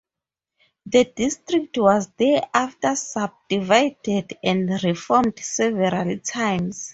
The District was thereafter subdivided and reformed several times.